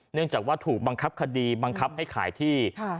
เนื่องจากว่าถูกบังคับคดีบังคับให้ขายที่